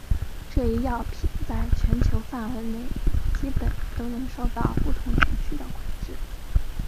这一药品在全球范围内基本都受到不同程度的管制。